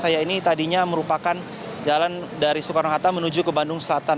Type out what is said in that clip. yang merupakan jalan dari soekarno hatta menuju ke bandung selatan